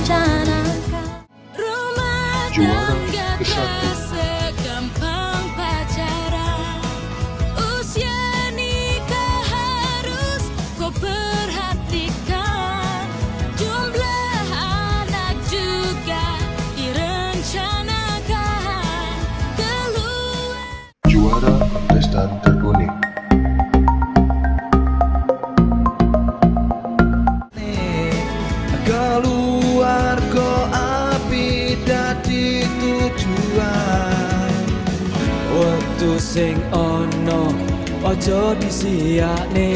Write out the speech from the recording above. jangan lupa like share dan subscribe ya